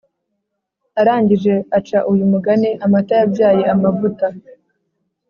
Arangije aca uyu mugani “amata yabyaye amavuta”